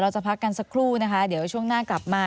จะพักกันสักครู่นะคะเดี๋ยวช่วงหน้ากลับมา